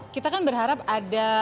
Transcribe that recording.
kita kan berharap ada